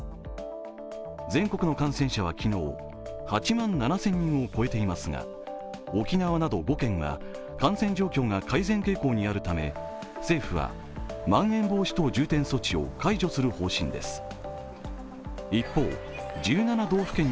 全国の感染者は昨日８万７０００人を超えていますが沖縄など５県は感染状況が改善傾向にあるため、政府はまん延防止等重点措置を解除する方針です。